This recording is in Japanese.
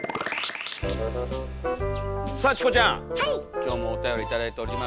今日もおたより頂いております。